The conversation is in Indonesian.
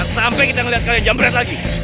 sampai kita ngeliat kalian jambret lagi